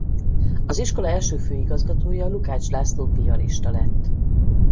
Az iskola első főigazgatója Lukács László piarista lett.